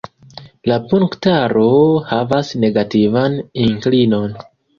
La punktaro havas negativan inklinon.